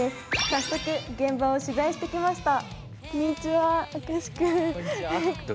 早速現場を取材してきました。